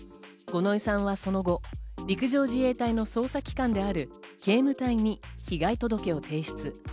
五ノ井さんはその後、陸上自衛隊の捜査機関である警務隊に被害届を提出。